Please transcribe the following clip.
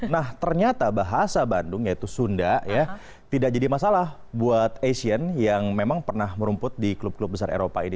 nah ternyata bahasa bandung yaitu sunda ya tidak jadi masalah buat asian yang memang pernah merumput di klub klub besar eropa ini